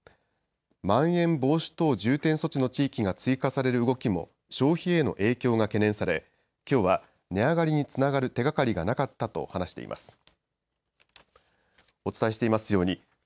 まん延防止等重点措置の地域が追加される動きも消費への影響が懸念されきょうは値上がりにつながる手がかりがなかったと話しています。